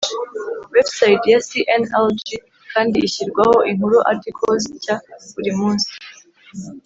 Website ya cnlg kandi ishyirwaho inkuru articles nshya buri munsi